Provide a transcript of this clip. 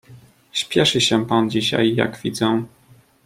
"Spieszy się pan dzisiaj, jak widzę."